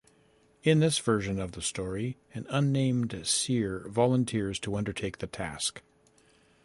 In this version of the story, an unnamed seer volunteers to undertake the task.